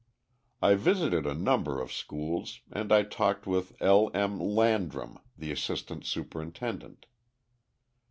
I visited a number of schools and I talked with L. M. Landrum, the assistant superintendent.